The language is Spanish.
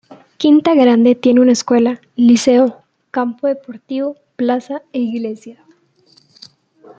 Quinta Grande tiene una escuela, liceo, campo deportivo, plaza e iglesia.